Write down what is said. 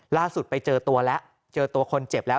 ล่าสุดไปเจอตัวแล้วเจอตัวคนเจ็บแล้ว